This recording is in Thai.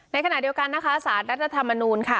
ในขณะเดียวกันนะคะสารรัฐธรรมนูลค่ะ